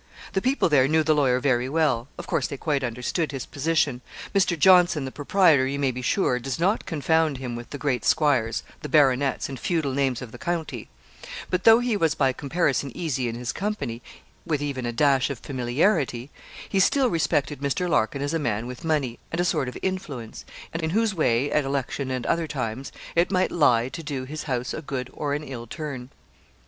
The people there knew the lawyer very well; of course, they quite understood his position. Mr. Johnson, the proprietor, you may be sure, does not confound him with the great squires, the baronets, and feudal names of the county; but though he was by comparison easy in his company, with even a dash of familiarity, he still respected Mr. Larkin as a man with money, and a sort of influence, and in whose way, at election and other times, it might lie to do his house a good or an ill turn.